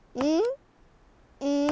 うん？